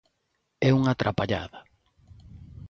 É unha trapallada.